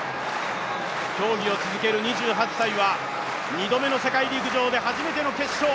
競技を続ける２８歳は２度目の世界陸上で初めての決勝。